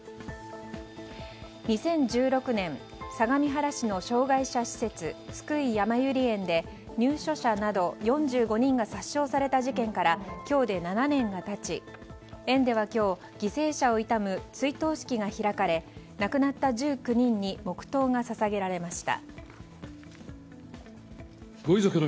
２０１６年相模原市の障害者施設津久井やまゆり園で入所者など４５人が殺傷された事件から今日で７年が経ち園では今日、犠牲者を悼む追悼式が開かれ亡くなった１９人に黙祷が捧げられました。